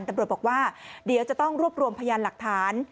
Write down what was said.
ตำรวจบอกว่าเดี๋ยวจะต้องรวบรวมพยานหลักฐาน